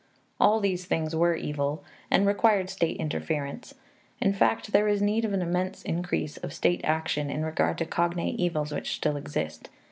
All these things were evil, and required state interference; in fact, there is need of an immense increase of state action in regard to cognate evils which still exist.